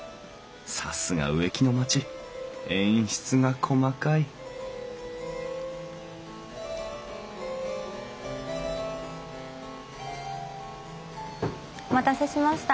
さすが植木の町演出が細かいお待たせしました。